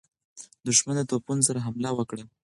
دښمن د توپونو سره حمله وکړه.